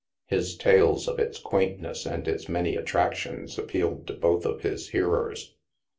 His tales of its quaintness and its many attrac tions appealed to both of his hearers.